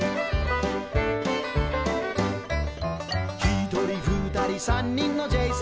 「ひとりふたりさんにんのジェイさん」